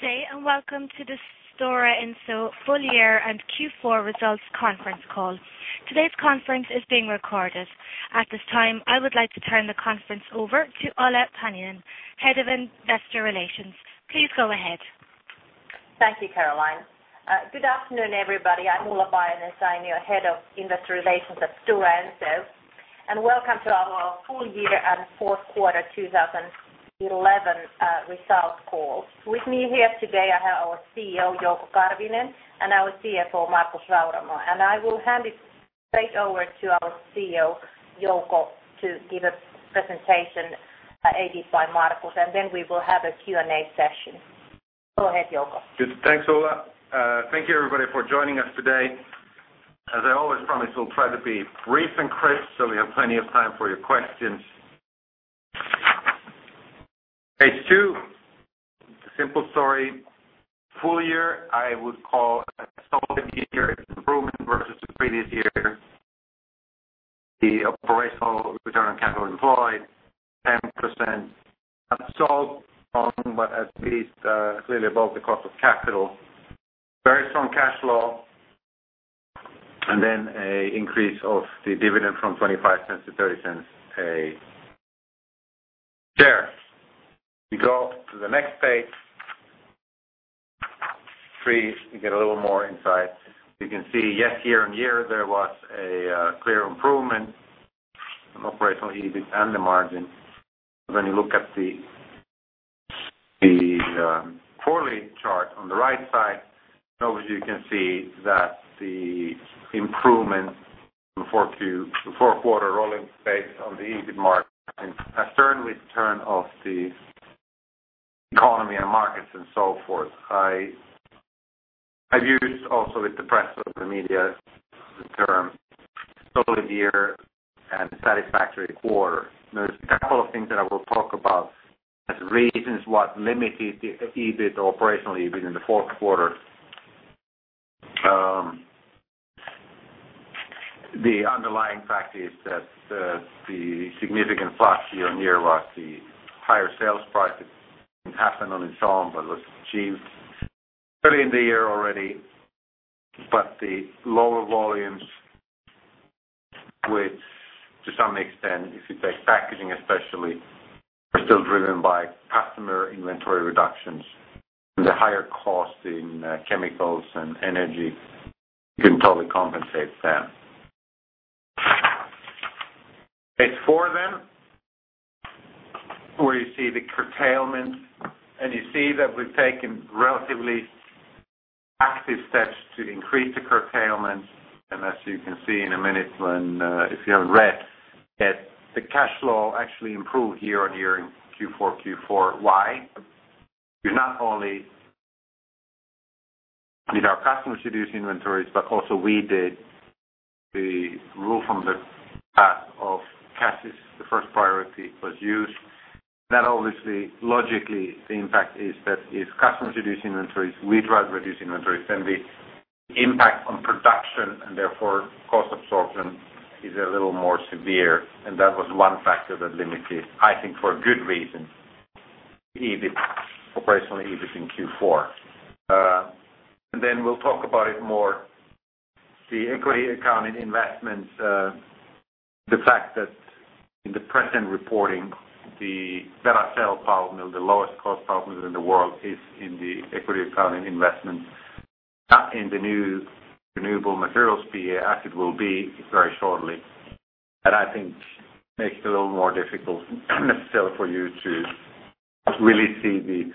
Today, and welcome to the Stora Enso Full-Year and Q4 Results Conference Call. Today's conference is being recorded. At this time, I would like to turn the conference over to Ulla Paajanen, Head of Investor Relations. Please go ahead. Thank you, Caroline. Good afternoon, everybody. I'm Ulla Paajanen-Sainio, Head of Investor Relations at Stora Enso, and welcome to our Full-Year and Fourth Quarter 2011 Result Call. With me here today, I have our CEO, Jouko Karvinen, and our CFO, Markus Rauramo. I will hand it straight over to our CEO, Jouko, to give a presentation aided by Markus, and then we will have a Q&A session. Go ahead, Jouko. Thanks, Ulla. Thank you, everybody, for joining us today. As I always promise, we'll try to be brief and crisp, so we have plenty of time for your questions. H2, simple story. Full year, I would call a solid year improvement versus the previous year. The operational return on capital employed, 10%. Not so strong, but at least clearly above the corporate capital. Very strong cash flow, and then an increase of the dividend from $0.25 to $0.30 a share. If we go to the next page, 3, you get a little more insight. You can see, yes, year on year, there was a clear improvement in operational EBIT and the margin. When you look at the quarterly chart on the right side, notice you can see that the improvement in the fourth quarter rolling on the EBIT margin. I've started with the term of the economy and markets and so forth. I've used also with the press, with the media, the term "solid year" and "satisfactory quarter." There's a couple of things that I will talk about as reasons what limited the EBIT or operational EBIT in the fourth quarter. The underlying fact is that the significant plus year-on-year was the higher sales prices. It happened on its own, but it was achieved early in the year already. The lower volumes, which to some extent, if you take packaging especially, are still driven by customer inventory reductions. The higher cost in chemicals and energy, you can totally compensate there. H4, then, where you see the curtailment, and you see that we've taken relatively active steps to increase the curtailment. As you can see in a minute, if you haven't read it, the cash flow actually improved year on year in Q4. Why? Not only did our customers reduce inventories, but also we did move from the path of "cash is the first priority" because use. That, obviously, logically, the impact is that if customers reduce inventories, we drive reduced inventories, then the impact on production and therefore cost absorption is a little more severe. That was one factor that limited, I think, for a good reason, operational EBIT in Q4. We'll talk about it more. The equity accounting investment, the fact that in the present reporting, the Montes del Plata pulp mill, the lowest cost pulp mill in the world, is in the equity accounting investment in the new renewable materials PA, as it will be very shortly.I think it makes it a little more difficult, not necessarily for you to really see the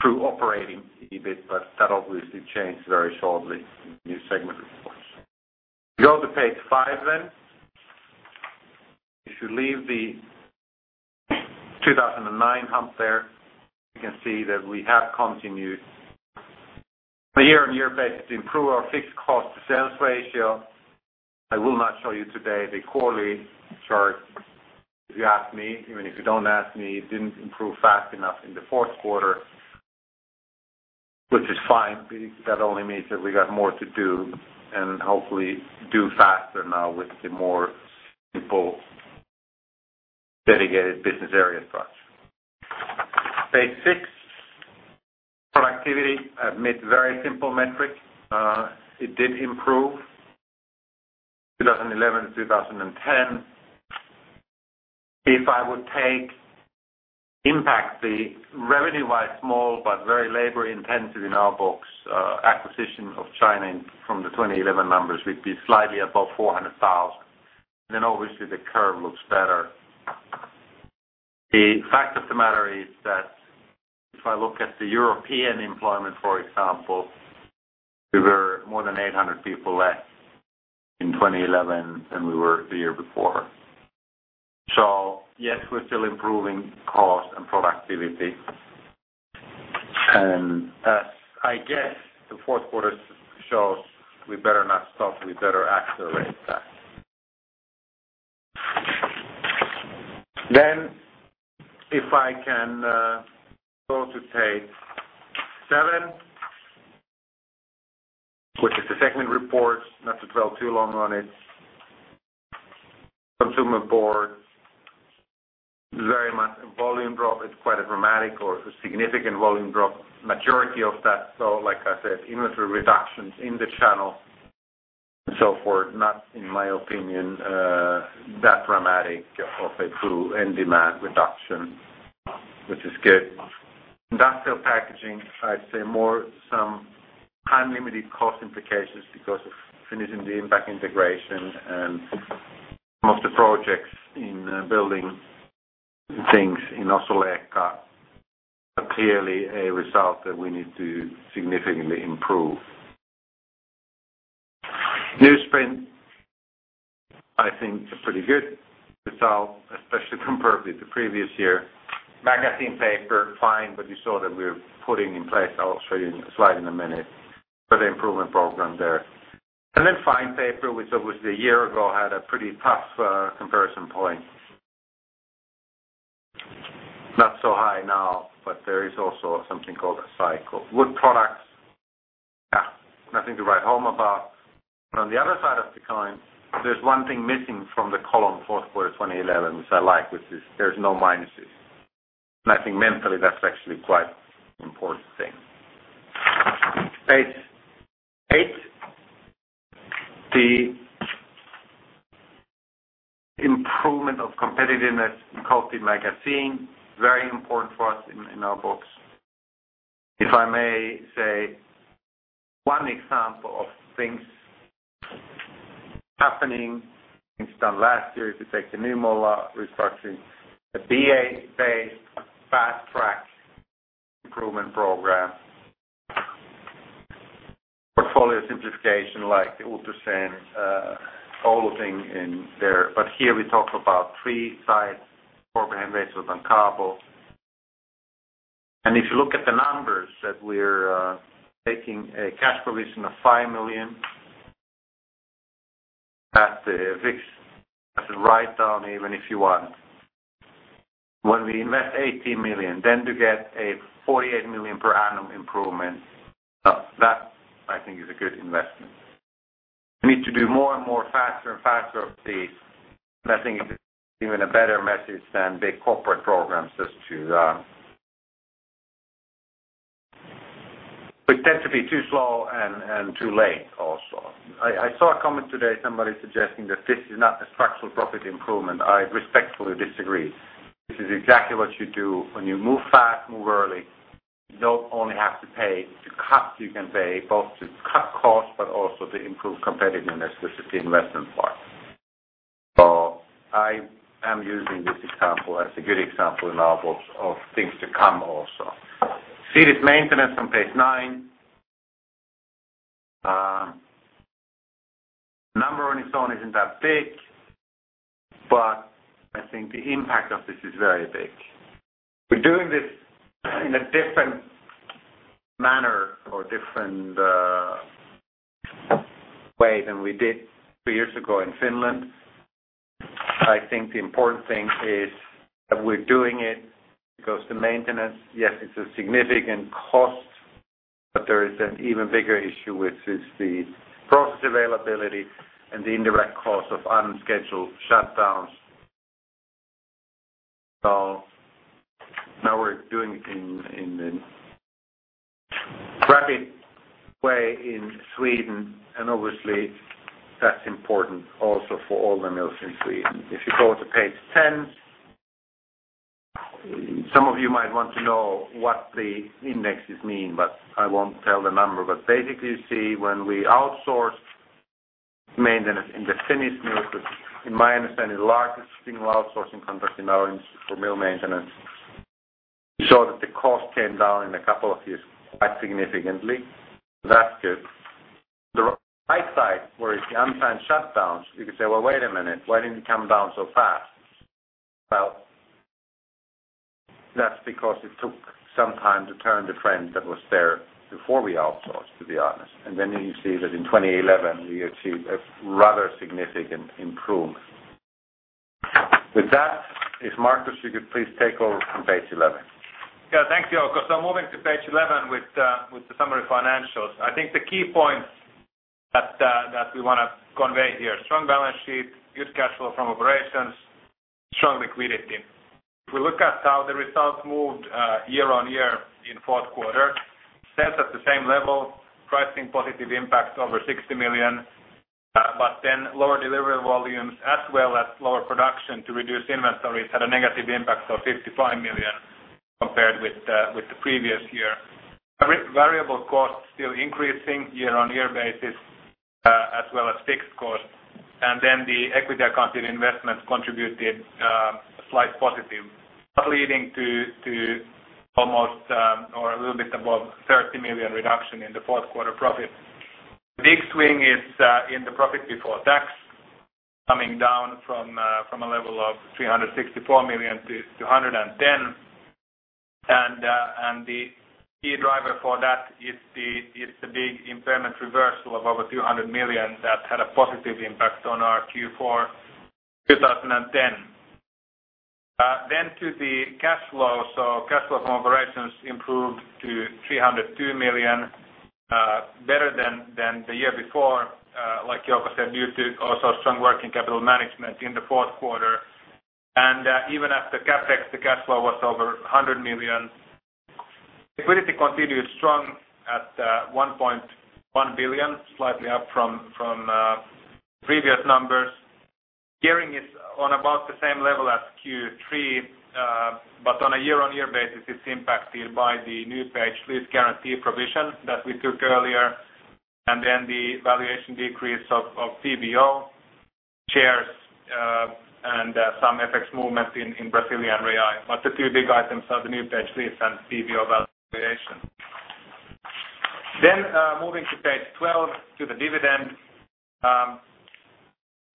true operating EBIT, but that obviously changed very shortly in the new segment resource. If you go to page 5, if you leave the 2009 hump there, you can see that we have continued on a year-on-year basis to improve our fixed cost-to-sales ratio. I will not show you today the quarterly chart. If you ask me, even if you don't ask me, it didn't improve fast enough in the fourth quarter, which is fine, because that only means that we got more to do and hopefully do faster now with the more simple, dedicated business area touch. Page 6, productivity. I've made very simple metrics. It did improve 2011 to 2010.If I would take impact, the reveue-wise small but very labor-intensive in our books, acquisition of China from the 2011 numbers would be slightly above 400,000. Then obviously, the curve looks better. The fact of the matter is that if I look at the European employment, for example, we were more than 800 people away in 2011 than we were the year before. Yes, we're still improving cost and productivity. As I guess the fourth quarter shows, we better not stop. We better accelerate that. If I can go to page 7, which is the segment report, not to dwell too long on it, consumer board, very much a volume drop, but quite a dramatic or significant volume drop. Majority of that, though, like I said, inventory reductions in the channel and so forth, not in my opinion, that dramatic of a true end demand reduction, which is good. Industrial packaging, I'd say more some time-limited cost implications because of finishing the impact integration and most of the projects in building things in Ostrołęka are clearly a result that we need to significantly improve. Newsprint, I think, is a pretty good result, especially compared with the previous year. Magazine paper, fine, but you saw that we're putting in place, I'll show you a slide in a minute, for the improvement program there. Fine paper, which was a year ago, had a pretty tough comparison point. Not so high now, but there is also something called a cycle. Wood products, nothing to write home about. On the other side of the coin, there's one thing missing from the column fourth quarter 2011, which I like, which is there's no minuses. I think mentally, that's actually quite an important thing. Page. Improvement of competitiveness in coffee magazine, very important for us in our books. If I may say one example of things happening, things done last year, if you take the new Molar restructuring, a BA-based fast-track improvement program, portfolio simplification like the Ultracene, solving in there. Here we talk about three-site corporate innovation with Bancabo. If you look at the numbers, we're taking a cash provision of 5 million at the VIX. I should write down even if you want. When we invest 18 million, then to get a 48 million per annum improvement, that I think is a good investment. We need to do more and more faster and faster of these. I think it's even a better message than big corporate programs as they tend to be too slow and too late also. I saw a comment today, somebody suggesting that this is not a structural profit improvement.I respectfully disagree. This is exactly what you do when you move fast, move early. You don't only have to pay to cut, you can pay both to cut costs, but also to improve competitiveness, which is the investment part. I am using this example as a good example in our books of things to come also. See, this maintenance on page 9. The number on its own isn't that big, but I think the impact of this is very big. We're doing this in a different manner or different way than we did two years ago in Finland. I think the important thing is that we're doing it because the maintenance, yes, it's a significant cost, but there is an even bigger issue, which is the profit availability and the indirect cost of unscheduled shutdowns. Now we're doing it in a rapid way in Sweden, and obviously, that's important also for all the mills in Sweden. If you go to page 10, some of you might want to know what the indexes mean, but I won't tell the number. Basically, you see when we outsource maintenance in the Finnish mills, which in my understanding is the largest single outsourcing contract in our industry for mill maintenance, showed that the cost came down in a couple of years quite significantly. That's good. The high side, whereas the unplanned shutdowns, you could say, "Wait a minute. Why didn't it come down so fast?" That's because it took some time to turn the trend that was there before we outsourced, to be honest. Then you see that in 2011, you achieved a rather significant improvement. With that, if Markus, you could please take over from page 11. Yeah, thanks, Jouko. Moving to page 11 with the summary financials, I think the key points that we want to convey here: strong balance sheet, good cash flow from operations, strong liquidity. We look at how the results moved year on year in the fourth quarter. Sales at the same level, pricing positive impact over 60 million, but then lower delivery volumes as well as lower production to reduce inventories had a negative impact of 55 million compared with the previous year. Variable cost still increasing year-on-year basis, as well as fixed cost. The equity accounted investments contributed a slight positive, but leading to almost or a little bit above 30 million reduction in the fourth quarter profit. Big swing is in the profit before tax coming down from a level of 364 million to 110 million. The key driver for that is the big impairment reversal of over 200 million that had a positive impact on our Q4 2010. Moving to the cash flow. Cash flow from operations improved to 302 million, better than the year before, like Jouko said, due to also strong working capital management in the fourth quarter. Even after CapEx, the cash flow was over 100 million. Liquidity continued strong at 1.1 billion, slightly up from previous numbers. Gearing is on about the same level as Q3, but on a year-on-year basis, it's impacted by the new page lease guarantee provision that we took earlier. The valuation decrease of PVO shares and some FX movement in Brazilian real. The two big items are the new page lease and PVO valuation. Moving to page 12, to the dividend.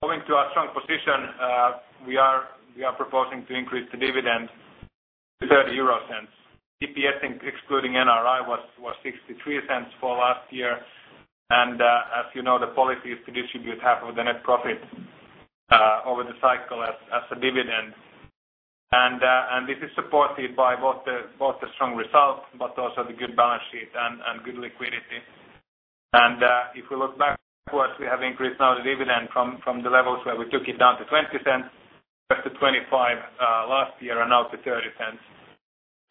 Moving to our strong position, we are proposing to increase the dividend to EUR 0.30.EPS, excluding NRI, was 0.63 for last year. As you know, the policy is to distribute half of the net profit over the cycle as a dividend. This is supported by both the strong result, but also the good balance sheet and good liquidity. If we look backwards, we have increased now the dividend from the levels where we took it down to 0.20, up to 0.25 last year, and now to 0.30.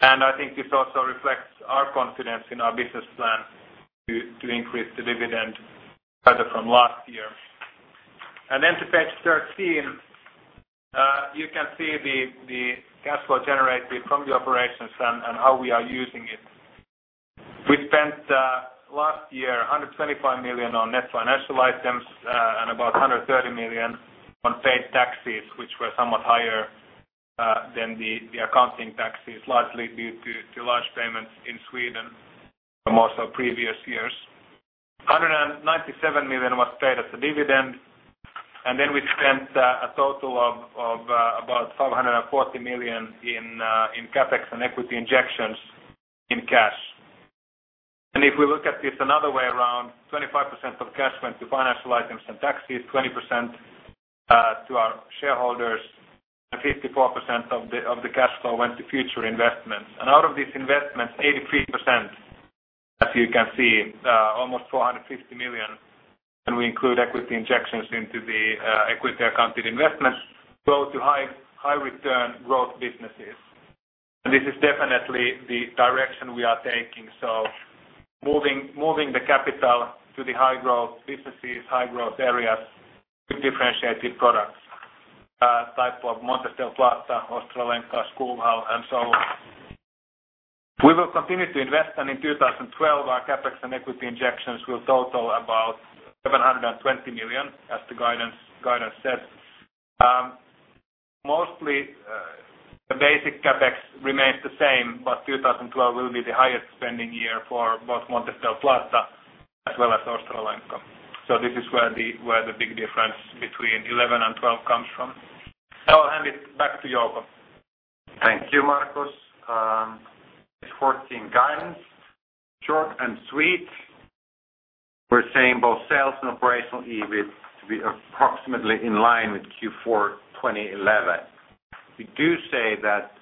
I think this also reflects our confidence in our business plan to increase the dividend further from last year. Moving to page 13, you can see the cash flow generated from the operations and how we are using it. We spent last year 125 million on net financial items and about 130 million on paid taxes, which were somewhat higher than the accounting taxes, largely due to large payments in Sweden from also previous years. EUR 197 million was paid as a dividend. We spent a total of about 540 million in CapEx and equity injections in cash. If we look at it another way, 25% of cash went to financial items and taxes, 20% to our shareholders, and 54% of the cash flow went to future investments. Out of these investments, 83%, as you can see, almost 450 million, and we include equity injections into the equity accounted investments, go to high-return growth businesses. This is definitely the direction we are taking, moving the capital to the high-growth businesses, high-growth areas with differentiated products, type of Montes del Plata, Ostrołęka, Skoghall, and so on. We will continue to invest. In 2012, our CapEx and equity injections will total about 720 million, as the guidance said. Mostly, the basic CapEx remains the same, but 2012 will be the highest spending year for both Montes del Plata as well as Ostrołęka. This is where the big difference between 2011 and 2012 comes from. I'll hand it back to Jouko. Thank you, Markus. It's 14 guidance. Short and sweet. We're saying both sales and operational EBIT to be approximately in line with Q4 2011. We do say that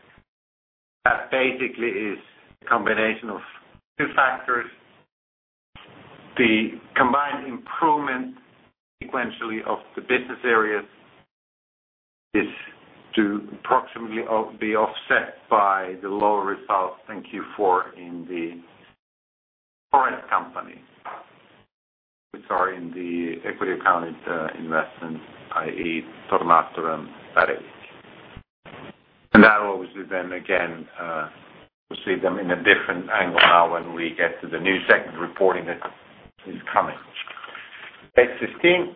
that basically is a combination of two factors. The combined improvement sequentially of the business areas is to approximately be offset by the lower results than Q4 in the Horeda company, which are in the equity accounted investments, i.e., Tornator and Pärviki. That will obviously then, again, we'll see them in a different angle now when we get to the new sector reporting that is coming. Page 16.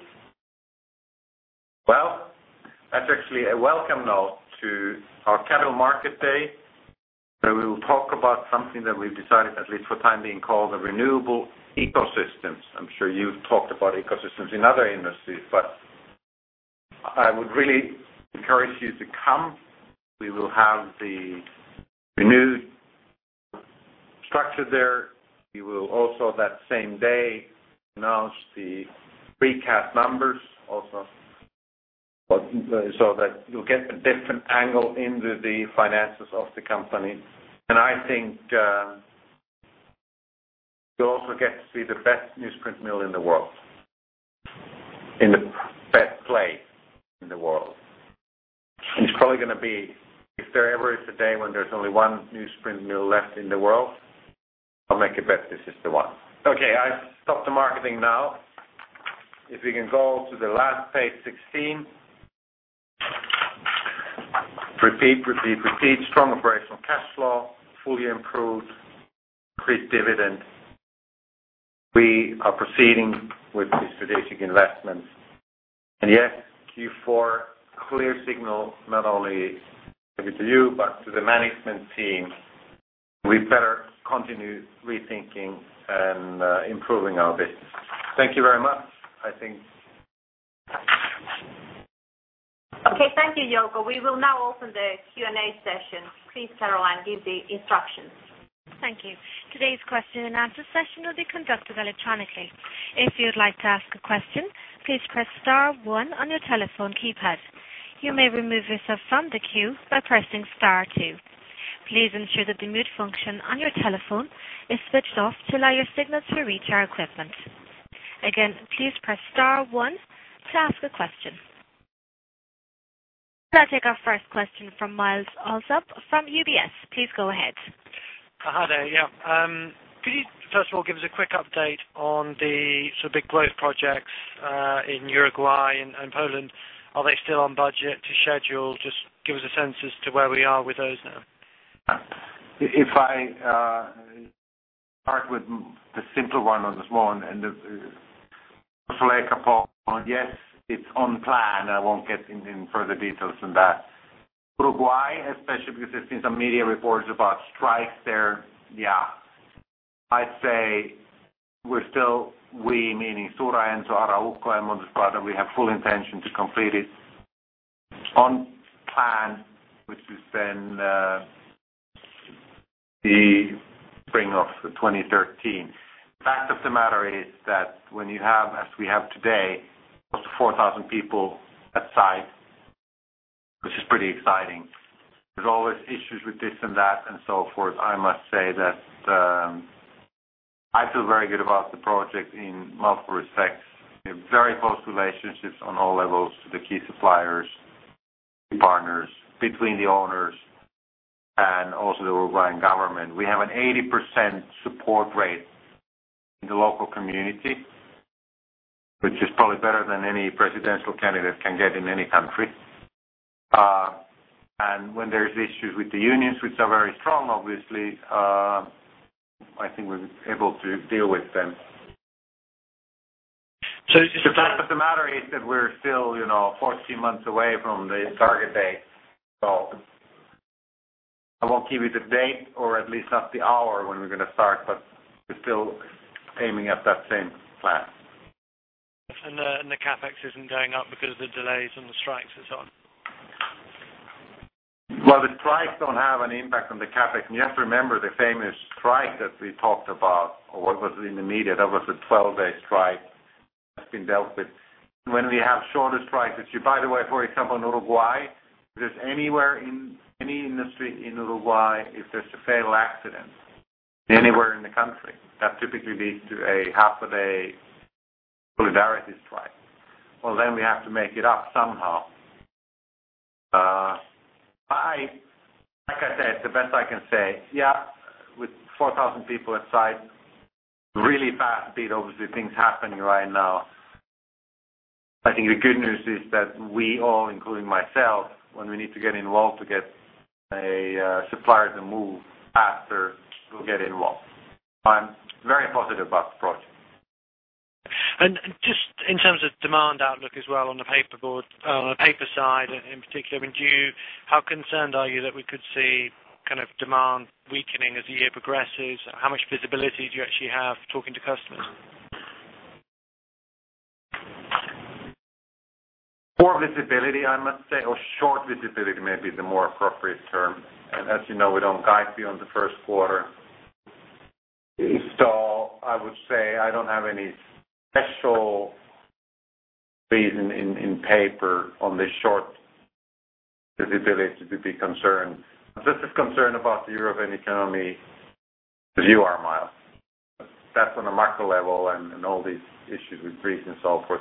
That's actually a welcome note to our Capital Market Day, where we will talk about something that we've decided, at least for the time being, called the renewable ecosystems. I'm sure you've talked about ecosystems in other industries, but I would really encourage you to come. We will have the renewed structure there. We will also, that same day, announce the recast numbers also so that you'll get a different angle into the finances of the company. I think you'll also get to see the best newsprint mill in the world, in the best play in the world. It's probably going to be, if there ever is a day when there's only one newsprint mill left in the world, I'll make you bet this is the one. Okay. I've stopped the marketing now. If we can go to the last page 16. Repeat, repeat, repeat. Strong operational cash flow, fully improved, increased dividend. We are proceeding with the strategic investments. Yes, Q4, clear signal, not only maybe to you, but to the management team. We better continue rethinking and improving our bit. Thank you very much. I think. Okay. Thank you, Jouko. We will now open the Q&A session. Please, Caroline, give the instructions. Thank you. Today's question-and-answer session will be conducted electronically. If you would like to ask a question, please press star one on your telephone keypad. You may remove yourself from the queue by pressing star two. Please ensure that the mute function on your telephone is switched off to allow your signal to reach our equipment. Again, please press star one to ask a question. I'll take our first question from Myles Allsop from UBS. Please go ahead. Hi, there. Could you, first of all, give us a quick update on the sort of big growth projects in Uruguay and Poland? Are they still on budget to schedule? Just give us a sense as to where we are with those now. If I start with the simple one on this one, and the Ostrołęka part, yes, it's on plan. I won't get into any further details on that. Uruguay, especially because there's been some media reports about strikes there, yeah. I'd say we're still, we meaning Stora Enso, Arauco, and Montes del Plata, we have full intention to complete it on plan, which is then the spring of 2013. Fact of the matter is that when you have, as we have today, close to 4,000 people at site, which is pretty exciting, there's always issues with this and that and so forth. I must say that I feel very good about the project in love and respect. We have very close relationships on all levels to the key suppliers and partners between the owners and also the Uruguayan government. We have an 80% support rate in the local community, which is probably better than any presidential candidate can get in any country. When there's issues with the unions, which are very strong, obviously, I think we're able to deal with them. Is it? The fact of the matter is that we're still 14 months away from the target date. I won't give you the date or at least not the hour when we're going to start, but we're still aiming at that same plan. Isn't the CapEx going up because of the delays on the strikes and so on? The strikes don't have an impact on the CapEx. You have to remember the famous strike that we talked about, or what was it in the media? That was a 12-day strike that's been dealt with. When we have shorter strikes, for example, in Uruguay, anywhere in any industry in Uruguay, if there's a fatal accident anywhere in the country, that's typically a half a day solidarity strike. Then we have to make it up somehow. Like I said, the best I can say, yeah, with 4,000 people at site, really fast speed, obviously, things happening right now. I think the good news is that we all, including myself, when we need to get involved to get a supplier to move faster, we'll get involved. I'm very positive about the project. In terms of demand outlook as well on the paper side, in particular, do you, how concerned are you that we could see kind of demand weakening as the year progresses? How much visibility do you actually have talking to customers? More visibility, I must say, or short visibility may be the more appropriate term. As you know, we don't guide beyond the first quarter. If so, I would say I don't have any special reason in paper on the short visibility to be concerned. I'm just as concerned about the European economy as you are, Miles. That's on a macro level and all these issues we've recently solved with.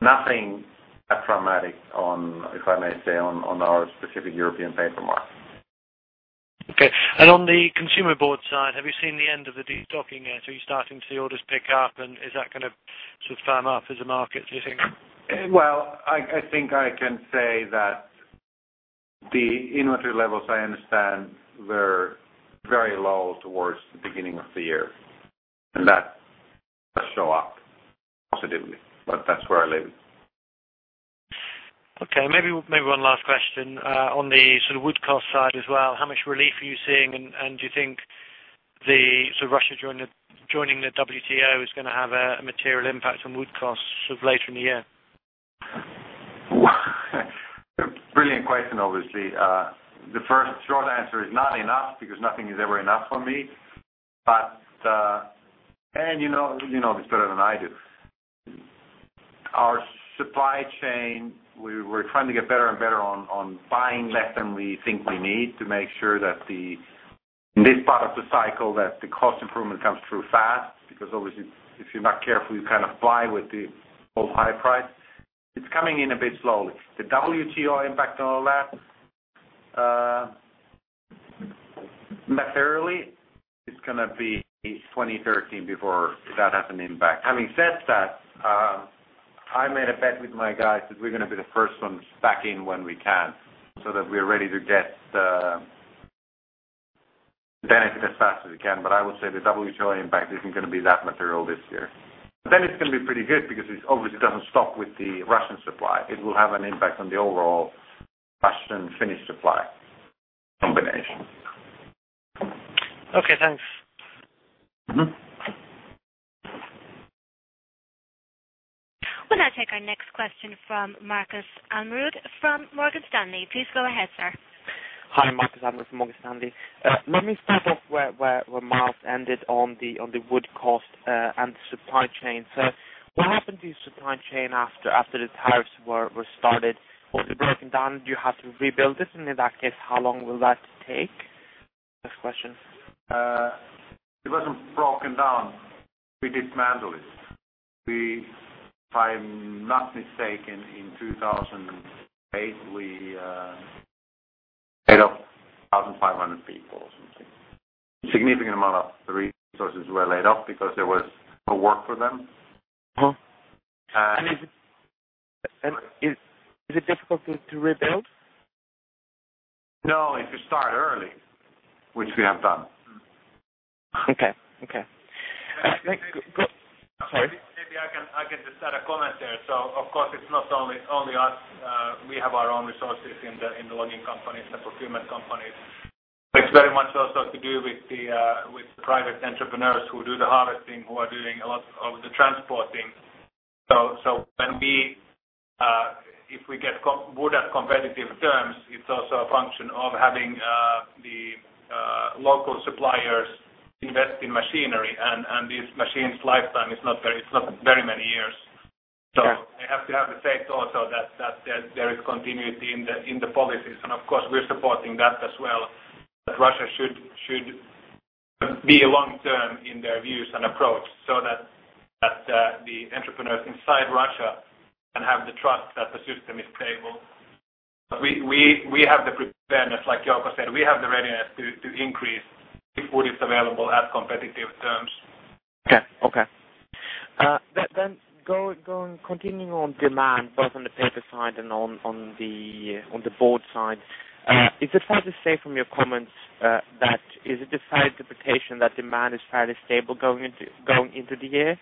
Nothing that's dramatic on, if I may say, on our specific European paper market. Okay. On the consumer board side, have you seen the end of the docking yet? Are you starting to see orders pick up? Is that going to sort of firm up as a market, do you think? I think I can say that the inventory levels, I understand, were very low towards the beginning of the year. That does show up positively, but that's where I live. Okay. Maybe one last question. On the sort of wood cost side as well, how much relief are you seeing? Do you think the sort of Russia joining the WTO is going to have a material impact on wood costs later in the year? Brilliant question, obviously. The first short answer is not enough because nothing is ever enough for me. You know this better than I do. Our supply chain, we're trying to get better and better on buying less than we think we need to make sure that in this part of the cycle, the cost improvement comes through fast because, obviously, if you're not careful, you kind of fly with the old high price. It's coming in a bit slowly. The WTO impact on all that, materially, it's going to be in 2013 before that has an impact. Having said that, I made a bet with my guys that we're going to be the first ones back in when we can so that we're ready to get the benefit as fast as we can. I would say the WTO impact isn't going to be that material this year. It is going to be pretty good because it obviously doesn't stop with the Russian supply. It will have an impact on the overall Russian-Finnish supply combination. Okay. Thanks. We'll now take our next question from Markus Hottenrott from Morgan Stanley. Please go ahead, sir. Hi, Markus Hottenrottfrom Morgan Stanley. My main point is where Miles ended on the wood cost and the supply chain. What happened to your supply chain after the tariffs were started? Was it broken down? Did you have to rebuild it? In that case, how long will that take? That's the question. It wasn't broken down. We didn't handle it. If I'm not mistaken, in 2008, we laid off 1,500 people or something. A significant amount of resources were laid off because there was no work for them. Is it difficult to rebuild? No, if you start early, which we have done. Okay. Sorry. Maybe I can just add a comment there. Of course, it's not only us. We have our own resources in the logging companies and procurement companies. It's very much also to do with the private entrepreneurs who do the harvesting, who are doing a lot of the transporting. If we get wood at competitive terms, it's also a function of having the local suppliers invest in machinery. These machines' lifetime is not very many years. They have to have the faith also that there is continuity in the policies. Of course, we're supporting that as well. Russia should be long-term in their views and approach so that the entrepreneurs inside Russia can have the trust that the system is stable. We have the preparedness, like Jouko said, we have the readiness to increase if wood is available at competitive terms. Okay. Then continuing on demand, both on the paper side and on the board side, is it fair to say from your comments that it is a fair interpretation that demand is fairly stable going into the year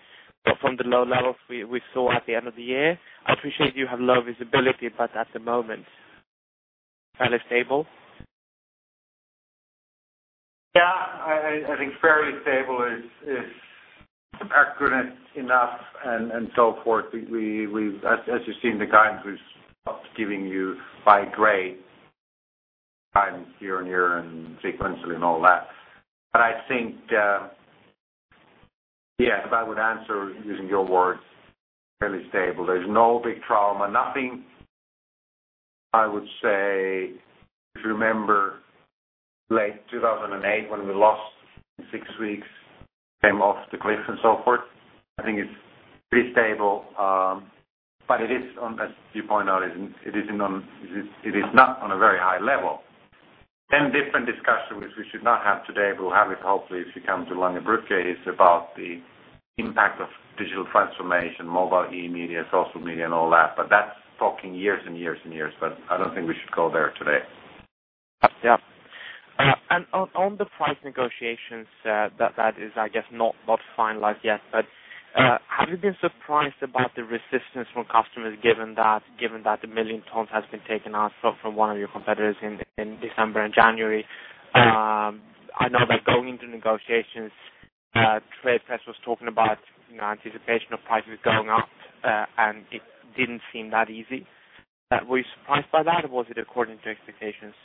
from the low levels we saw at the end of the year? I appreciate you have low visibility, but at the moment, fairly stable? Yeah. I think fairly stable is good enough and so forth. As you've seen the guidance, we're giving you by gray guidance year-on-year and sequentially and all that. I think, yeah, if I would answer using your words, fairly stable. There's no big trauma. Nothing, I would say, if you remember late 2008 when we lost in six weeks, came off the cliff and so forth. I think it's pretty stable. It is on, as you point out, it is not on a very high level. Different discussion, which we should not have today, but we'll have it hopefully if you come to Langebrugge, is about the impact of digital transformation, mobile e-media, social media, and all that. That's talking years and years and years, but I don't think we should go there today. Yeah. On the price negotiations, that is, I guess, not finalized yet. Have you been surprised about the resistance from customers given that the million tons has been taken out from one of your competitors in December and January? I know that going into negotiations, TradePress was talking about anticipation of prices going up, and it didn't seem that easy. Were you surprised by that, or was it according to expectations?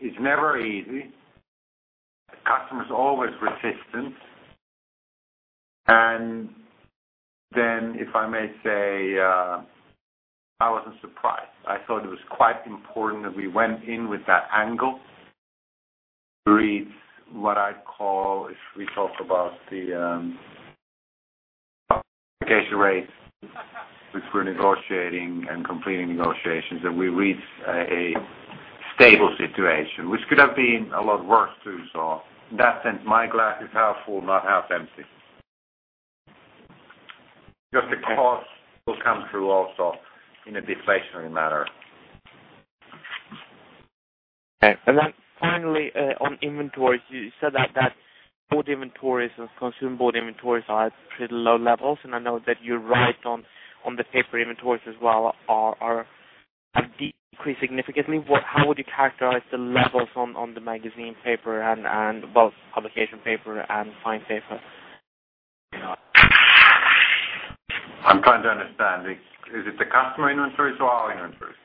It's never easy. Customers are always resistant. If I may say, I wasn't surprised. I thought it was quite important that we went in with that angle to reach what I'd call, if we talk about the application rate, which we're negotiating and completing negotiations, that we reach a stable situation, which could have been a lot worse too. In that sense, my glass is half full, not half empty. Just the cost will come through also in a deflationary manner. Okay. Finally, on inventories, you said that food inventories and consumer board inventories are at pretty low levels. I know that you're right on the paper inventories as well, are decreasing significantly. How would you characterize the levels on the magazine paper and both publication paper and fine paper? I'm trying to understand. Is it the customer inventories or our inventories?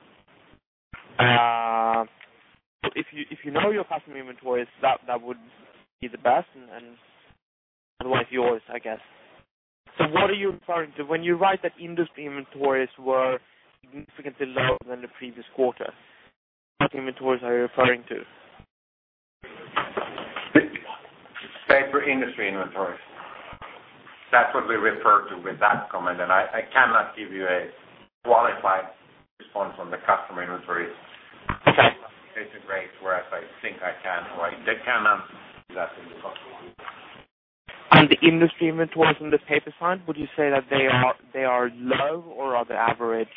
If you know your customer inventories, that would be the best. Otherwise, yours, I guess. What are you referring to when you write that industry inventories were significantly lower than the previous quarter? What inventories are you referring to? Paper industry inventories. That's what we refer to with that comment. I cannot give you a qualified response on the customer inventories. This is a rate where I think I can, or I cannot do that in the first order. Are the industry inventories on the paper side, would you say that they are low or are they average?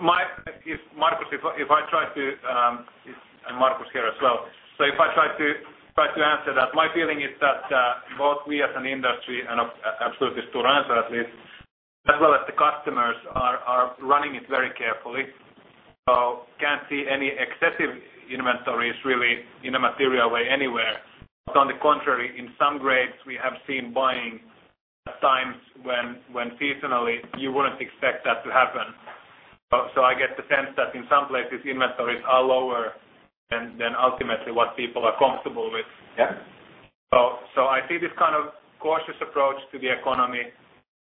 Markus, if I try to, and Markus here as well. If I try to answer that, my feeling is that both we as an industry, and absolutely Stora Enso at least, as well as the customers are running it very carefully. I can't see any excessive inventories really in a material way anywhere. It's on the contrary. In some grades, we have seen buying times when seasonally you wouldn't expect that to happen. I get the sense that in some places, inventories are lower than ultimately what people are comfortable with. I see this kind of cautious approach to the economy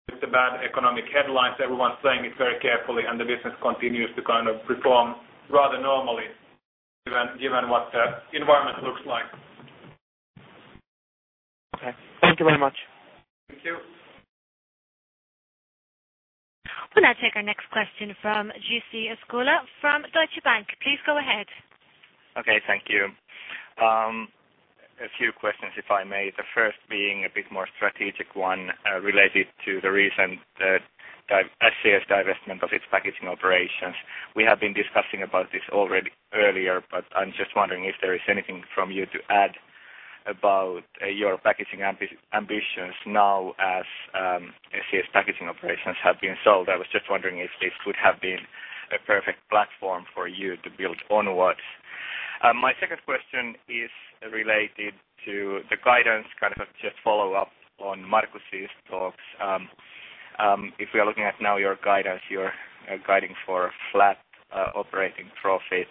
with the bad economic headlines. Everyone's playing it very carefully, and the business continues to kind of perform rather normally given what the environment looks like. Okay, thank you very much. Thank you. We'll now take our next question from [Jussi Skola] from Deutsche Bank. Please go ahead. Okay. Thank you. A few questions, if I may. The first being a bit more strategic one related to the recent SCS divestment of its packaging operations. We have been discussing about this already earlier, but I'm just wondering if there is anything from you to add about your packaging ambitions now as SCS packaging operations have been sold. I was just wondering if this would have been a perfect platform for you to build onwards. My second question is related to the guidance, kind of just follow up on Markus's talks. If we are looking at now your guidance, you're guiding for flat operating profit.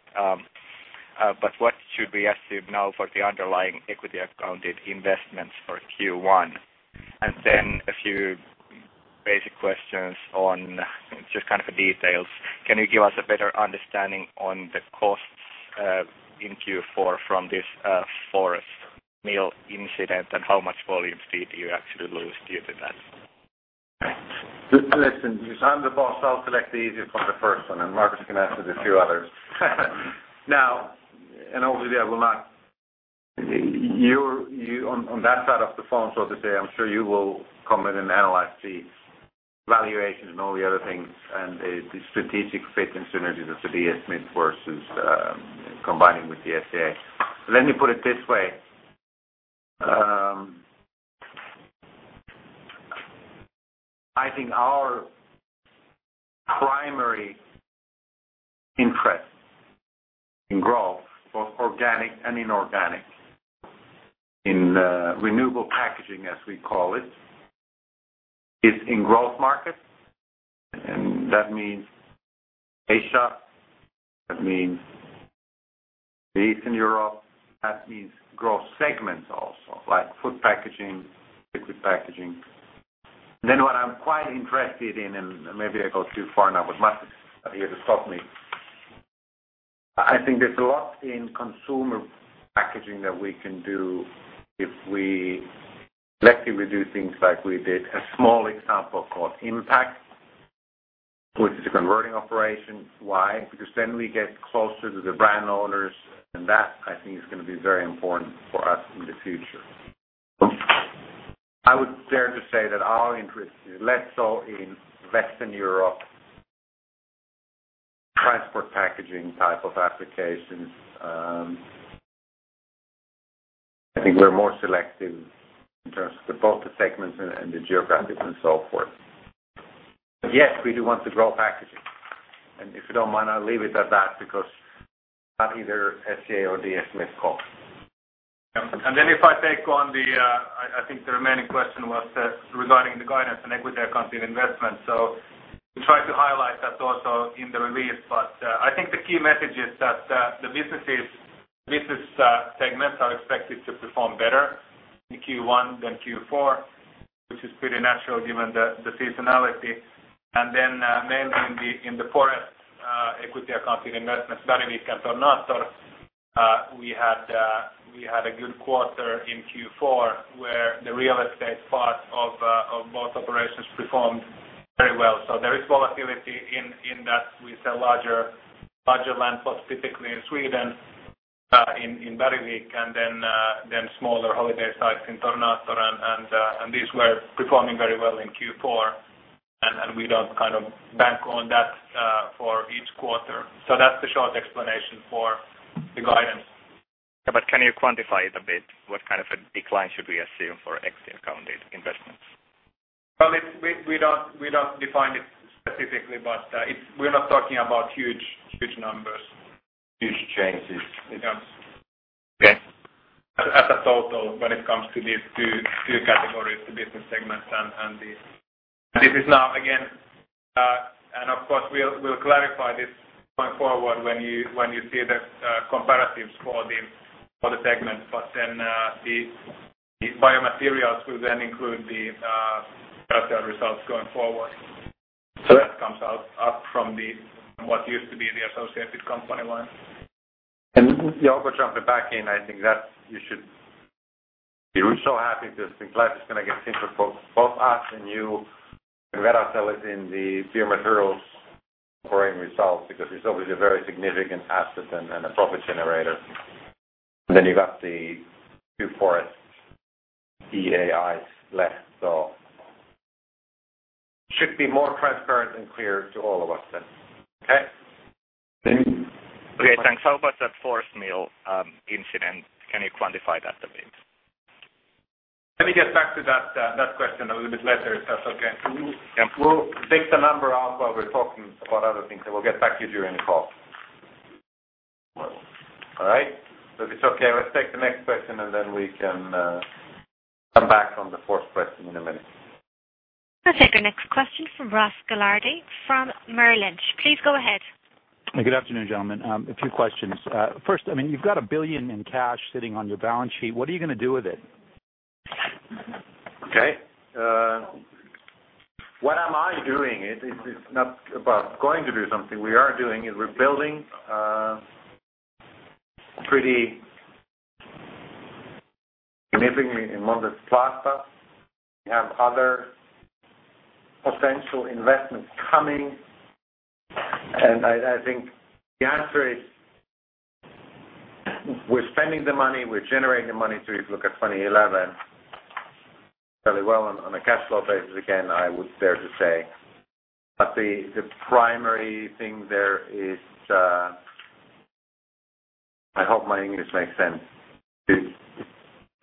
What should we assume now for the underlying equity accounted investments for Q1? A few basic questions on just kind of details. Can you give us a better understanding on the cost in Q4 from this forest mill incident and how much volume did you actually lose due to that? Good question. You sounded about, sounds like the easiest one, the first one. Markus can answer the two others. Obviously, I will not, you on that side of the phone, so to say, I'm sure you will come in and analyze the valuations and all the other things and the strategic fit and synergy with the DS mid versus combining with the FCA. Let me put it this way. I think our primary interest in growth, both organic and inorganic, in renewable packaging, as we call it, is in growth markets. That means Asia. That means Eastern Europe. That means growth segments also, like food packaging, liquid packaging. What I'm quite interested in, and maybe I go too far now, but Markus is here to stop me.I think there's a lot in consumer packaging that we can do if we, let's say, we do things like we did a small example called Impact, which is a converting operation. Why? Because then we get closer to the brand owners. That, I think, is going to be very important for us in the future. I would dare to say that our interest is less so in Western Europe transport packaging type of applications. I think we're more selective in terms of both the segments and the geographic and so forth. Yes, we do want to grow packaging. If you don't mind, I'll leave it at that because that either SCS or DS mid costs. If I take on the, I think the remaining question was regarding the guidance on equity accounted investments. I tried to highlight that also in the release, but I think the key message is that the business segments are expected to perform better in Q1 than Q4, which is pretty natural given the seasonality. Mainly in the foreign equity accounted investments, whether we can turn out, or we had a good quarter in Q4 where the real estate parts of both operations performed very well. There is volatility in that. We sell larger land plots, particularly in Sweden, in Berwick, and then smaller holiday sites in Tornator. These were performing very well in Q4. We don't kind of bank on that for each quarter. That's the short explanation for the guidance. Can you quantify it a bit? What kind of a decline should we assume for equity accounted investments? We don't define it specifically, but we're not talking about huge, huge numbers. Huge changes. As a total, when it comes to these two categories, the business segments and the. This is now, again, and of course, we'll clarify this going forward when you see the comparatives for the segment. The biomaterials will then include the results going forward. That comes out from what used to be the associated company one. Jouko, jumping back in, I think that you should be so happy because this life is going to get simpler for both us and you. We can bet ourselves in the pure material foreign results because we saw it was a very significant asset and a profit generator. You got the two forest EAIs left. It should be more transparent and clear to all of us then. Okay? Okay. Thanks. How about that forest mill incident? Can you quantify that a bit? Let me get back to that question a little bit later if that's okay. We'll dig the number out while we're talking about other things, and we'll get back to you during the call. All right. If it's okay, let's take the next question, and then we can come back on the first question in a minute. We'll take the next question from Ross Gilardi from Merrill Lynch. Please go ahead. Good afternoon, gentlemen. A few questions. First, I mean, you've got $1 billion in cash sitting on your balance sheet. What are you going to do with it? Okay. What am I doing? It is not about going to do something. What we are doing is we're building pretty significantly in Montes del Plata. We have other potential investments coming. I think the answer is we're spending the money, we're generating the money too. If you look at 2011, fairly well on a cash flow basis again, I would dare to say. The primary thing there is, I hope my English makes sense, to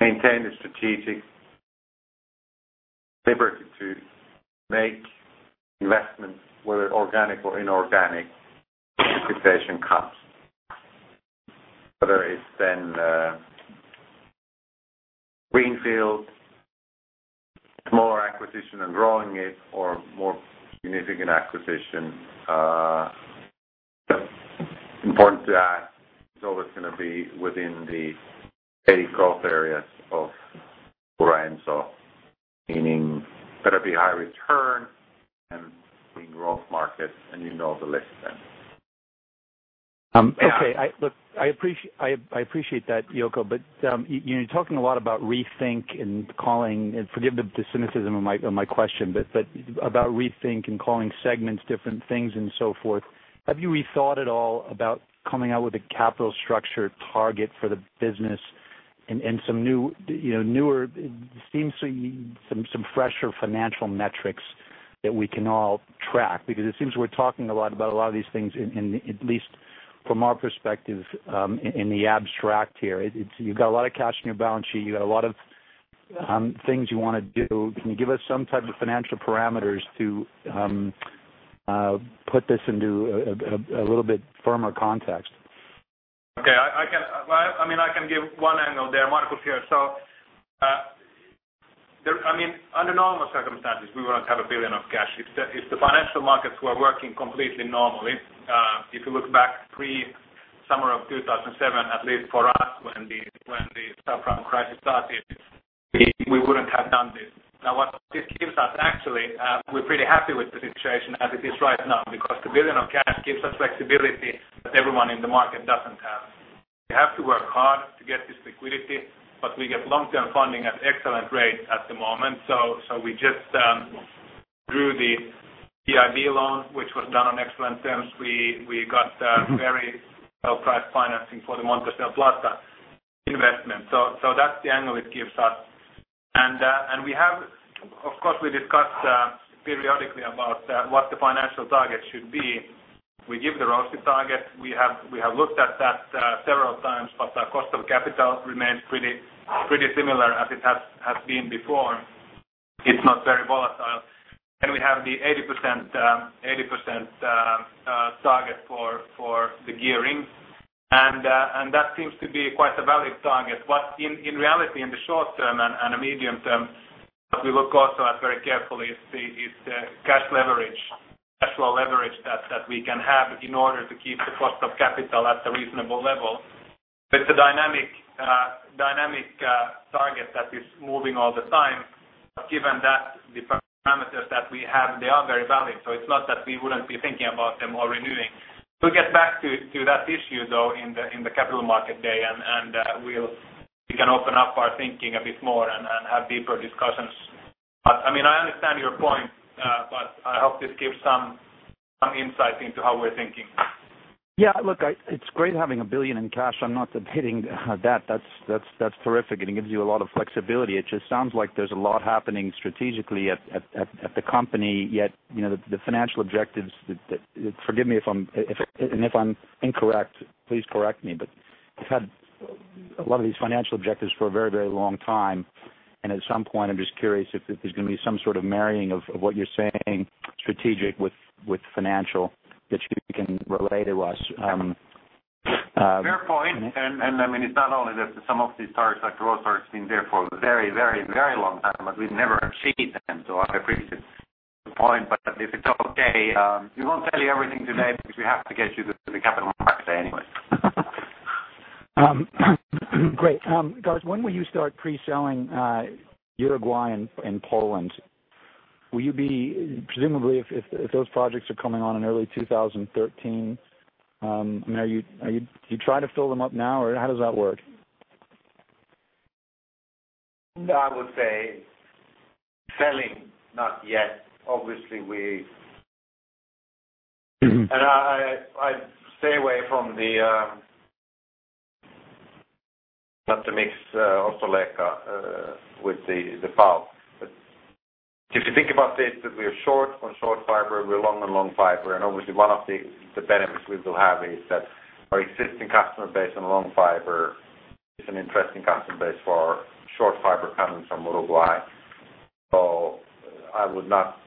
maintain the strategic liberty to make investment, whether organic or inorganic, if inflation comes. Whether it's then greenfield, more acquisition and growing it, or more significant acquisition. Important to add, it's always going to be within the heavy cost areas of Stora Enso, meaning better be high return and being growth markets and in all the lesser end. Okay. I appreciate that, Jouko, but you know you're talking a lot about rethink and calling, and forgive the cynicism of my question, but about rethink and calling segments different things and so forth. Have you rethought at all about coming out with a capital structure target for the business and some new, you know, newer, it seems to be some fresher financial metrics that we can all track? Because it seems we're talking a lot about a lot of these things, and at least from our perspective in the abstract here, you've got a lot of cash in your balance sheet. You've got a lot of things you want to do. Can you give us some type of financial parameters to put this into a little bit firmer context? Okay. I can give one angle there, Markus here. Under normal circumstances, we wouldn't have $1 billion of cash. If the financial markets were working completely normally, if you look back pre-summer of 2007, at least for us, when the subprime crisis started, we wouldn't have done this. What this gives us, actually, we're pretty happy with the situation as it is right now because the $1 billion of cash gives us flexibility that everyone in the market doesn't have. You have to work hard to get this liquidity, but we get long-term funding at an excellent rate at the moment. We just drew the EIB loan, which was done on excellent terms. We got very well-priced financing for the Montes del Plata investment. That's the angle it gives us. Of course, we discuss periodically about what the financial target should be. We give the ROCE target. We have looked at that several times, but the cost of capital remains pretty similar as it has been before. It's not very volatile. We have the 80% target for the gearing, and that seems to be quite a valid target. In reality, in the short term and the medium term, we look also very carefully at the cash leverage, cash flow leverage that we can have in order to keep the cost of capital at a reasonable level. It's a dynamic target that is moving all the time, given that the parameters that we have, they are very valid. It's not that we wouldn't be thinking about them or renewing. We'll get back to that issue in the Capital Market Day, and we can open up our thinking a bit more and have deeper discussions. I understand your point, but I hope this gives some insight into how we're thinking. Yeah. Look, it's great having $1 billion in cash. I'm not debating that. That's terrific, and it gives you a lot of flexibility. It just sounds like there's a lot happening strategically at the company. Yet you know the financial objectives. Forgive me if I'm, and if I'm incorrect, please correct me, but you've had a lot of these financial objectives for a very, very long time. At some point, I'm just curious if there's going to be some sort of marrying of what you're saying, strategic with financial, that you can relate to us. Fair point. I mean, it's not only that some of these targets, like growth targets, have been there for a very, very, very long time, but we've never exceeded them. I appreciate the point. If it's okay, we won't tell you everything today because we have to get you to the Capital Market Day anyway. Great. Guys, when will you start pre-selling Uruguay and Poland? Will you be, presumably, if those projects are coming on in early 2013, I mean, are you, do you try to fill them up now, or how does that work? I would say selling, not yet. Obviously, we, and I stay away from the, not to mix Ostrołęka with the pulp. If you think about it, we are short on short fiber, and we're long on long fiber. Obviously, one of the benefits we will have is that our existing customer base on long fiber is an interesting customer base for short fiber coming from Uruguay. I would not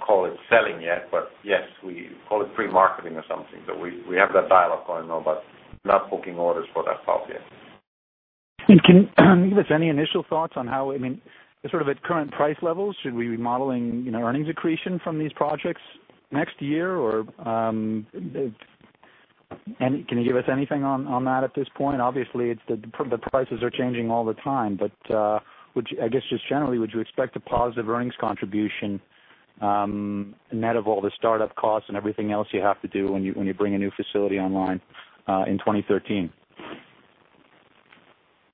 call it selling yet, but yes, we call it free marketing or something. We have that dialogue going on, but not booking orders for that pulp yet. Can you give us any initial thoughts on how, I mean, at current price levels, should we be modeling earnings accretion from these projects next year, or can you give us anything on that at this point? Obviously, the prices are changing all the time, but I guess just generally, would you expect a positive earnings contribution net of all the startup costs and everything else you have to do when you bring a new facility online in 2013?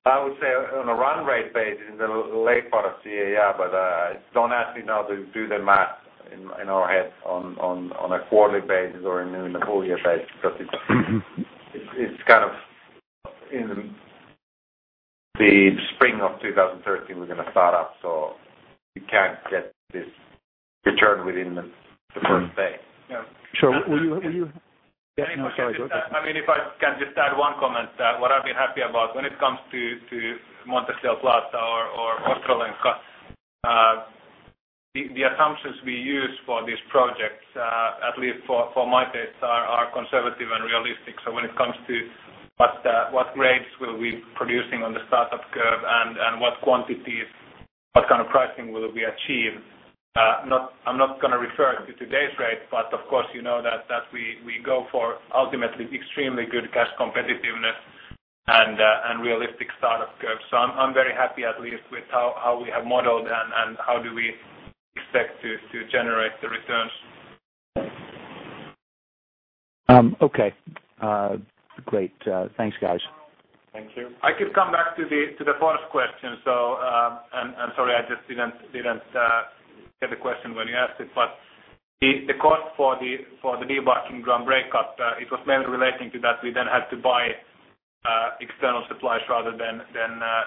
I would say on a run rate basis, in the late part of the year, yeah, but don't ask me now to do the math in our head on a quarterly basis or in a four-year basis because it's kind of in the spring of 2013 within a startup. You can't get this return within the first day. Sure. Were you? Yeah. If I can just add one comment, what I'd be happy about when it comes to Montes del Plata or Ostrołęka, the assumptions we use for these projects, at least for my taste, are conservative and realistic. When it comes to what grades will be producing on the startup curve and what quantity, what kind of pricing will we achieve, I'm not going to refer to today's rate, but of course, you know that we go for ultimately extremely good cash competitiveness and realistic startup curves. I'm very happy, at least, with how we have modeled and how do we expect to generate the returns. Okay. Great. Thanks, guys. Thank you. I could come back to the fourth question. Sorry, I just didn't get the question when you asked it, but the cost for the de-barking drum breakup was mainly relating to that we then had to buy external supplies rather than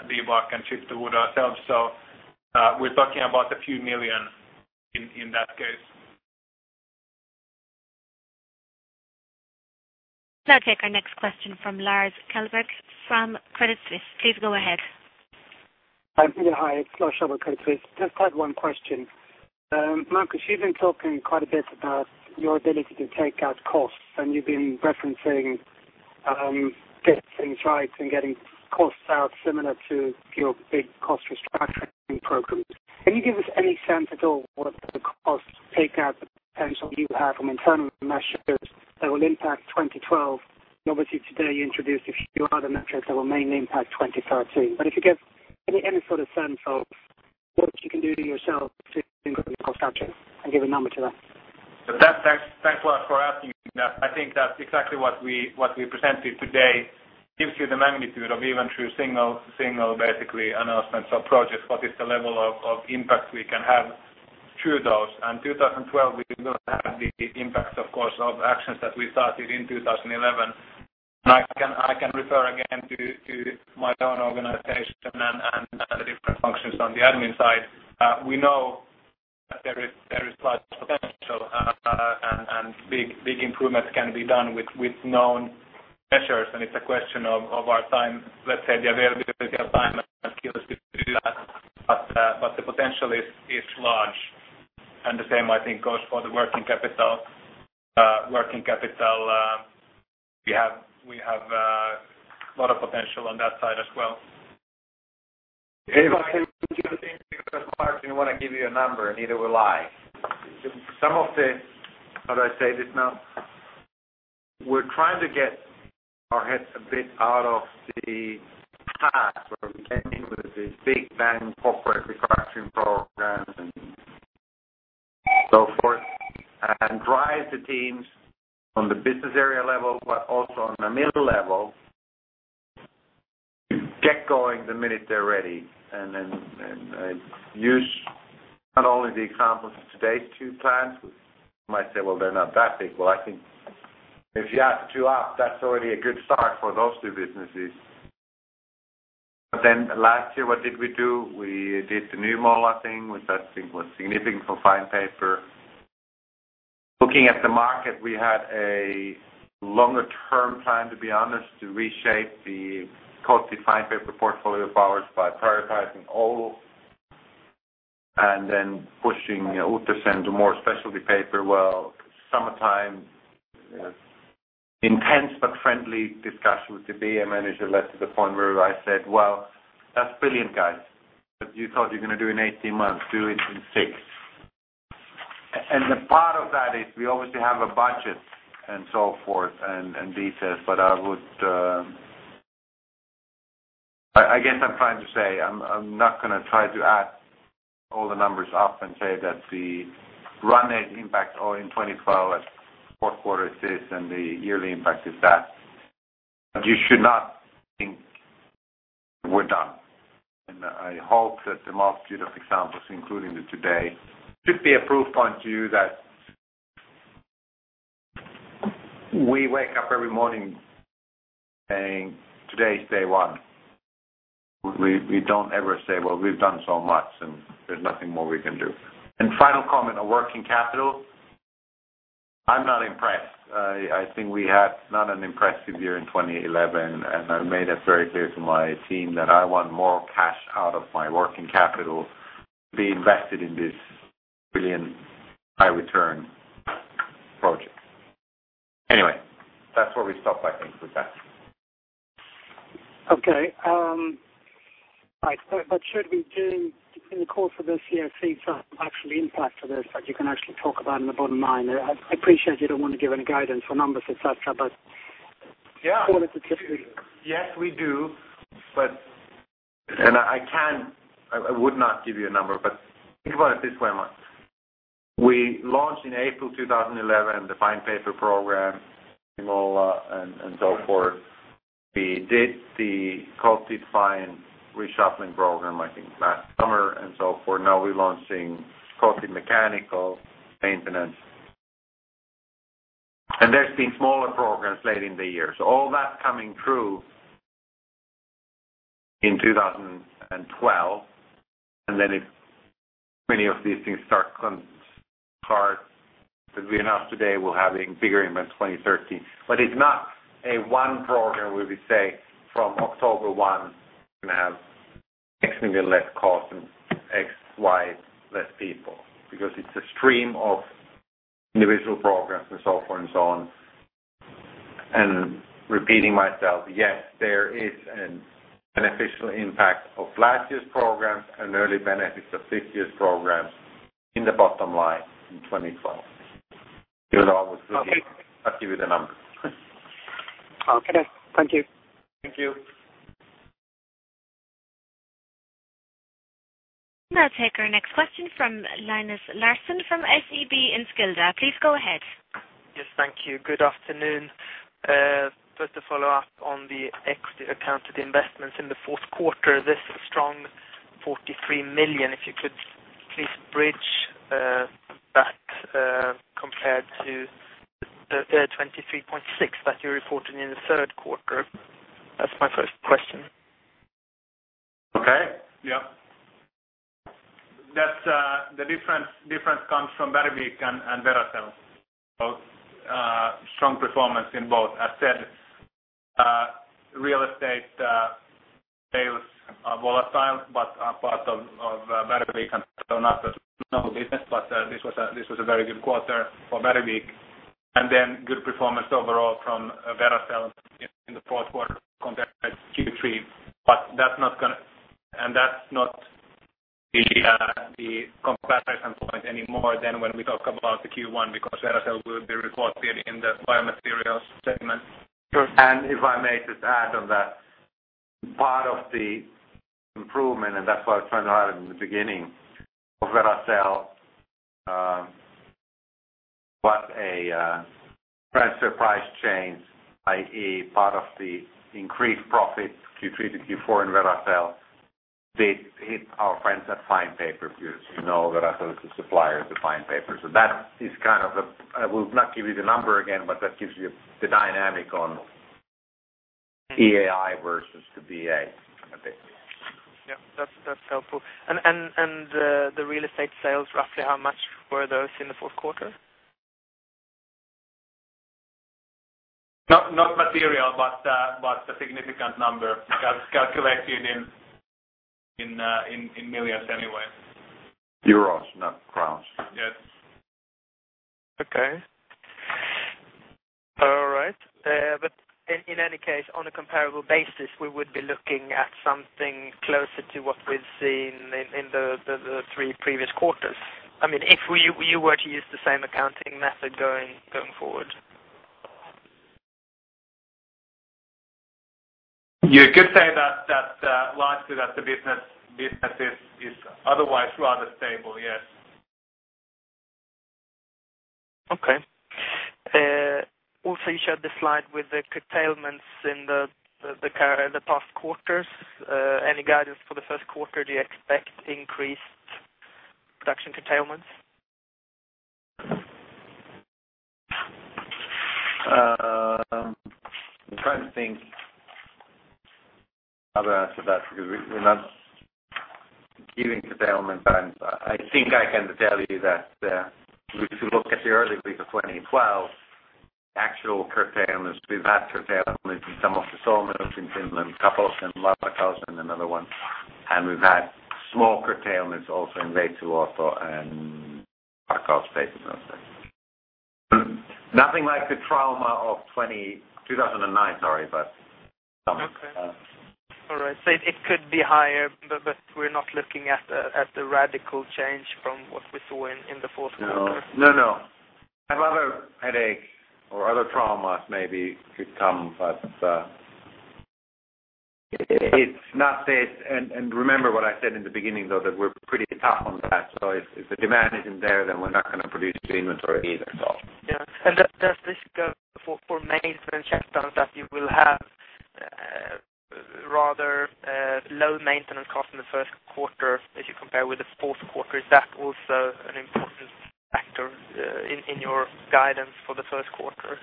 de-bark and chip the wood ourselves. We're talking about a few million in that case. Let's take our next question from Lars Kjellberg from Credit Suisse. Please go ahead. Hi. It's Lars Shaw with Credit Suisse. Just had one question. Markus, you've been talking quite a bit about your ability to take out costs, and you've been referencing debts and strides and getting costs out similar to your big cost restructuring programs. Can you give us any sense at all of what the cost takeout potential you have from internal measures that will impact 2012? Obviously, today you introduced a few other metrics that will mainly impact 2013. If you give any sort of sense, folks, you can do it in your shop. It's a good cost outing. I'll give a number to that. I think that's exactly what we presented today gives you the magnitude of even through single, basically, announcements of projects. What is the level of impact we can have through those? In 2012, we will have the impact, of course, of actions that we started in 2011. I can refer again to my own organization and the different functions on the admin side. We know that there is slight potential, and big improvements can be done with known measures. It's a question of our time, let's say, the availability of time and skills to do that. The potential is large. The same, I think, goes for the working capital. Working capital, we have a lot of potential on that side as well. I think, Markus, I want to give you a number, neither will I. Some of the, how do I say this now? We're trying to get our heads a bit out of the path from getting into the big bang popcorn refactoring ball rather than so forth. Drive the teams on the business area level, but also on the middle level, get going the minute they're ready. Use not only the examples of today's two plans. You might say they're not that big. I think if you add two up, that's already a good start for those two businesses. Last year, what did we do? We did the new model, I think, which I think was significant for fine paper. Looking at the market, we had a longer-term plan, to be honest, to reshape the sculpted fine paper portfolio of ours by prioritizing all and then pushing Ultrasend to more specialty paper. Summertime, you know, intense but friendly discussion with the BA manager led to the point where I said that's brilliant, guys. You thought you're going to do in 18 months, do it in 6. Part of that is we obviously have a budget and so forth and details, but I would, I guess I'm trying to say I'm not going to try to add all the numbers up and say that the run rate impact in 2012 at fourth quarter is this and the yearly impact is that. You should not think we're done. I hope that the multitude of examples we included today should be a proof point to you that we wake up every morning saying today's day one. We don't ever say we've done so much and there's nothing more we can do. Final comment on working capital, I'm not impressed. I think we had not an impressive year in 2011, and I made it very clear to my team that I want more cash out of my working capital to be invested in this billion, high return project. Anyway, that's where we stopped, I think, with that. Okay. Should we do in the course of this year, think for actually impact to this, but you can actually talk about it in the bottom line? I appreciate you don't want to give any guidance or numbers if that's a bit. Yes, we do. I would not give you a number, but think about it this way, Mark. We launched in April 2011 the fine paper program, the Mola, and so forth. We did the sculpted fine reshuffling program, I think, last summer and so forth. Now we're launching sculpted mechanical maintenance. There have been smaller programs late in the year. All that coming through in 2012, and then many of these things start coming apart. We are not today having bigger events in 2013. It is not one program where we say from October 1, we're going to have X million less cost and XY less people because it's a stream of individual programs and so forth. Repeating myself, yes, there is an official impact of last year's program and early benefits of this year's program in the bottom line in 2012. I'll give you the number. Okay, thank you. Thank you. Let's take our next question from Linus Larsson from SEB in Skandinavien. Please go ahead. Yes, thank you. Good afternoon. To follow up on the equity accounted investments in the fourth quarter, this strong $43 million, if you could please bridge that compared to the $23.6 million that you reported in the third quarter. That's my first question. Okay. Yeah. The difference comes from Berwick and Veracel. Strong performance in both. As said, real estate sales are volatile, but part of Berwick and Tornator. Not for business, but this was a very good quarter for Berwick. Then good performance overall from Veracel in the fourth quarter compared to Q3. That's not going to, and that's not the comparison point anymore when we talk about Q1 because Veracel will be reported in the biomaterials segment. Sure. If I may just add on that, part of the improvement, and that's what I was trying to add in the beginning of Veracel, was a transfer price change, i.e., part of the increased profits Q3 to Q4 in Veracel did hit our friends at fine paper. You know Veracel is a supplier to fine paper. That is kind of a, I will not give you the number again, but that gives you the dynamic on EAI versus the BA. That's helpful. The real estate sales, roughly how much were those in the fourth quarter? Not material, but a significant number. That's calculated in millions anyway. Euros, not krona. Yes. All right. In any case, on a comparable basis, we would be looking at something closer to what we've seen in the three previous quarters if we were to use the same accounting method going forward. You could say that largely the business is otherwise rather stable, yes. Okay. Also, you showed the slide with the curtailments in the past quarters. Any guidance for the first quarter? Do you expect increased production curtailments? I'm trying to think how to ask you that because we're not giving curtailment, but I think I can tell you that if we look at the early week of 2012, the actual curtailments, we've had curtailments in some of the sawmills in Finland, Kapos and Lappeenranta and another one. We've had small curtailments also in Lievestuore and Rauhalahti paper. Nothing like the trauma of 2009, sorry, but some. All right. It could be higher, but we're not looking at the radical change from what we saw in the fourth quarter. No, another headache or other trauma maybe could come, but it's not this. Remember what I said in the beginning, though, that we're pretty tough on that. If the demand isn't there, we're not going to produce to inventory either. Does this go for maintenance shutdown that you will have rather low maintenance cost in the first quarter as you compare with the fourth quarter? Is that also an important factor in your guidance for the first quarter?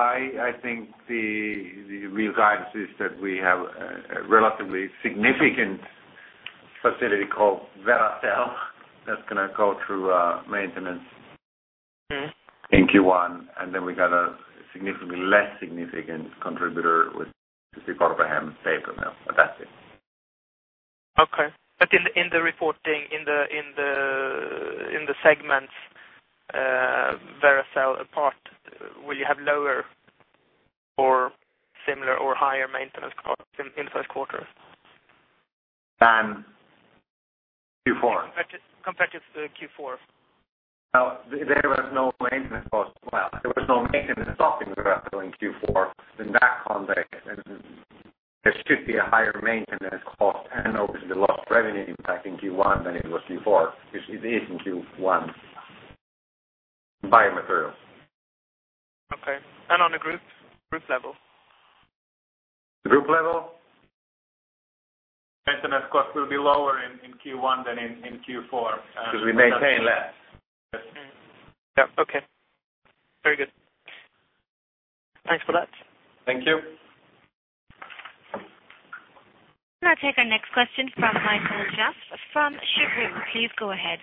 I think the real guidance is that we have a relatively significant facility called Veracel that's going to go through maintenance in Q1. We got a significantly less significant contributor with the city of Ostrołęka and Safetown, but that's it. Okay. In the reporting, in the segments, Veracel apart, will you have lower or similar or higher maintenance costs in the first quarter? Than Q4? Compared to Q4. There were no maintenance costs. There was no maintenance cost in Veracel in Q4. In that context, there should be a higher maintenance cost and obviously a lot of revenue impact in Q1 than it was Q4 because it is in Q1 biomaterials. Okay. On a group level? Group level? Maintenance costs will be lower in Q1 than in Q4. Because we maintain less. Okay. Very good. Thanks for that. Thank you. Let's take our next question from [Michael Jost] from [Sjöbrunn]. Please go ahead.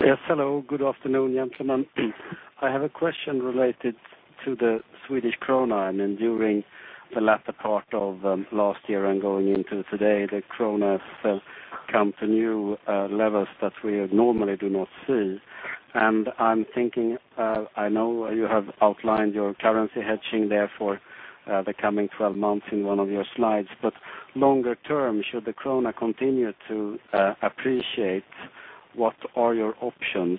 Yes. Hello. Good afternoon, gentlemen. I have a question related to the Swedish krona. During the latter part of last year and going into today, the krona has come to new levels that we normally do not see. I'm thinking, I know you have outlined your currency hedging there for the coming 12 months in one of your slides. Longer term, should the krona continue to appreciate, what are your options?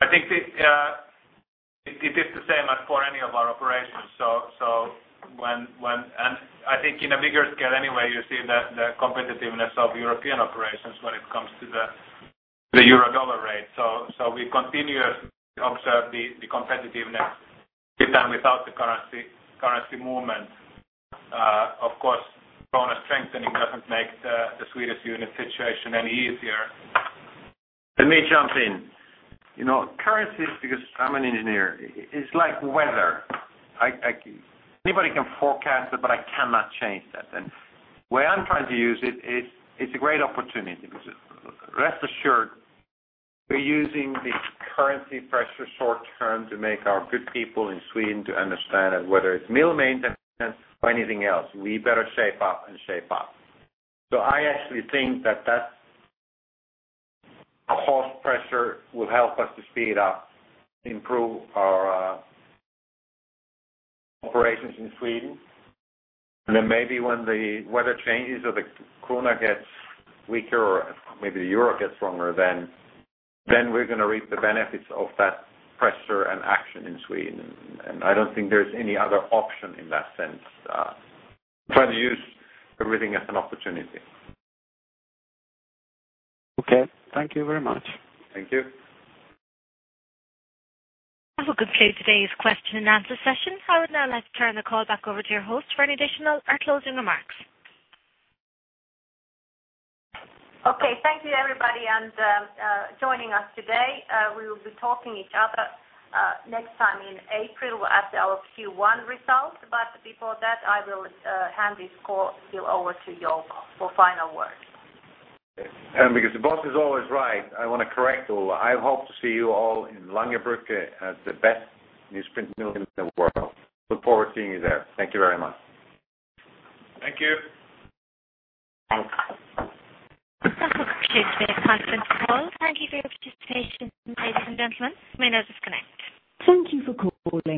I think it is the same as for any of our operations. When, and I think in a bigger scale anyway, you're seeing the competitiveness of European operations when it comes to the euro/dollar rate. We continue to observe the competitiveness. It's done without the currency movement. Of course, krona strengthening doesn't make the Swedish unit situation any easier. Let me jump in. You know, currency, because I'm an engineer, it's like weather. Anybody can forecast it, but I cannot change that. The way I'm trying to use it is it's a great opportunity because rest assured, we're using this currency pressure short term to make our good people in Sweden understand that whether it's mill maintenance or anything else, we better shape up and shape up. I actually think that cost pressure will help us to speed up, improve our operations in Sweden. Maybe when the weather changes or the krona gets weaker or maybe the euro gets stronger, we're going to reap the benefits of that pressure and action in Sweden. I don't think there's any other option in that sense. Trying to use everything as an opportunity. Okay, thank you very much. Thank you. will conclude today's question-and-answer session. I would now like to turn the call back over to your host for any additional or closing remarks. Okay. Thank you, everybody, for joining us today. We will be talking to each other next time in April after our Q1 results. Before that, I will hand this call still over to Jouko for final words. Because the boss is always right, I want to correct all. I hope to see you all in Langerbrugge at the best newsprint mill in the world. Look forward to seeing you there. Thank you very much. Thank you. Thanks. This concludes Today's Conference Call. Thank you for your participation, ladies and gentlemen. You may now disconnect. Thank you for calling.